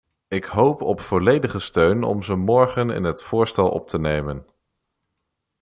Ik hoop op volledige steun om ze morgen in het voorstel op te nemen.